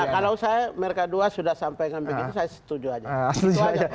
kalau saya mereka dua sudah sampaikan begitu saya setuju aja